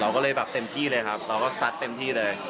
ก็เลยแบบเต็มที่เลยครับเราก็ซัดเต็มที่เลย